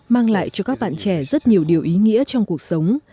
mang lại cho các bạn trẻ rất nhiều điều ý nghĩa trong cuộc sống